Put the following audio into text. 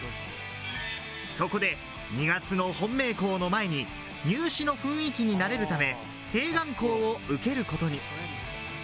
そこで２月の本命校の前に入試の雰囲気に慣れるため、併願校を受けることに。